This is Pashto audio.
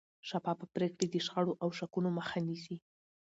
شفافه پرېکړې د شخړو او شکونو مخه نیسي